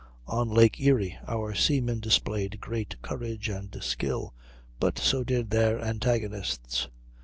On Lake Erie our seamen displayed great courage and skill; but so did their antagonists.